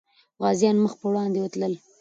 غازيان مخ پر وړاندې تلل.